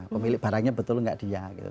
pemilik barangnya betul nggak dia